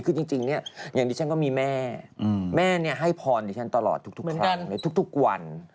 คือจริงเนี่ยอย่างที่ฉันก็มีแม่แม่ให้พรดิฉันตลอดทุกครั้งในทุกวัน